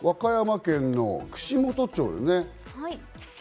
和歌山県の串本町ですね。